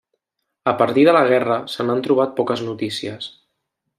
A partir de la guerra se n'han trobat poques notícies.